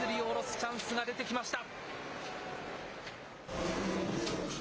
チャンスが出てきました。